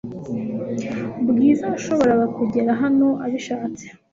Bwiza yashoboraga kugera hano abishaka .